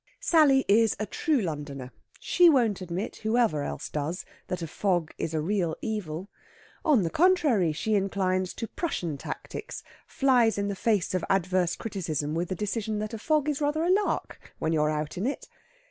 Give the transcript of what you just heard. Sally is a true Londoner. She won't admit, whoever else does, that a fog is a real evil. On the contrary, she inclines to Prussian tactics flies in the face of adverse criticism with the decision that a fog is rather a lark when you're out in it.